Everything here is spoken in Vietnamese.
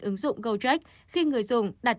ứng dụng gojek khi người dùng đặt